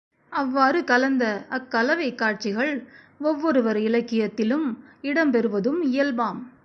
அவ்வாறு கலந்த அக் கலவைக் காட்சிகள் ஒவ்வொருவர் இலக்கியத்திலும் இடம் பெறுவதும் இயல்பாம்.